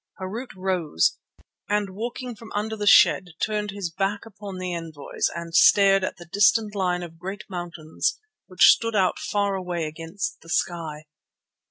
Harût rose, and walking from under the shed, turned his back upon the envoys and stared at the distant line of great mountains which stood out far away against the sky.